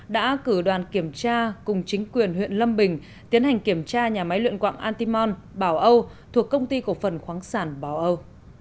đã cử đoàn kiểm tra cùng chính quyền huyện lâm bình tiến hành kiểm tra nhà máy luyện quạng antimon bảo âu thuộc công ty cổ phần khoáng sản bảo âu